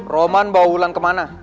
roman bawa ulang kemana